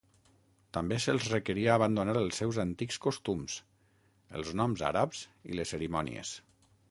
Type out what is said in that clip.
També se'ls requeria abandonar els seus antics costums, els noms àrabs i les cerimònies.